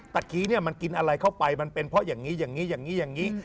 ตะกี้นี่มันกินอะไรเข้าไปมันเป็นเพราะอย่างนี้อย่างนี้อย่างนี้